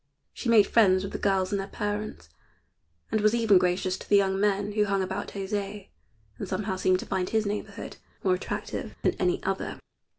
She made friends with the girls and their parents, and was even gracious to the young men who hung about José, and somehow seemed to find his neighborhood more attractive than any other.